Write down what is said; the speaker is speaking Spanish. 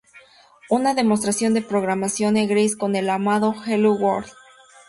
Una demostración de programación en Grace con el afamado "Hello World!